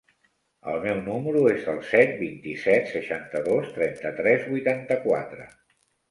El meu número es el set, vint-i-set, seixanta-dos, trenta-tres, vuitanta-quatre.